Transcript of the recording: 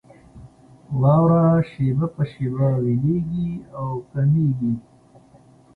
واوره شېبه په شېبه ويلېږي او کمېږي.